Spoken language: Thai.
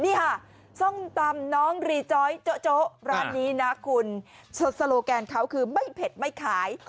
นี่ค่ะส้มตำน้องรีจ้อยโจ๊ะร้านนี้นะคุณโซโลแกนเขาคือไม่เผ็ดไม่ขาย